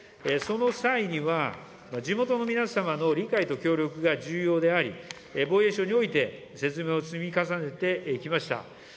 その際には、地元の皆様の理解と協力が重要であり、防衛省において、説明を積み重ねてきました。